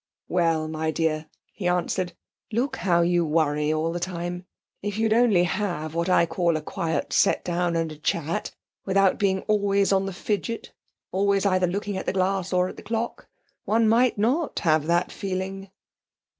'Well, my dear,' he answered, 'look how you worry all the time! If you'd only have what I call a quiet set down and a chat, without being always on the fidget, always looking either at the glass or at the clock, one might not have that feeling.'